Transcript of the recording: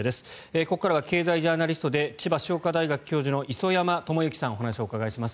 ここからは経済ジャーナリストで千葉商科大学教授の磯山友幸さんにお話をお伺いします。